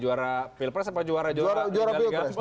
juara pilpres apa juara juga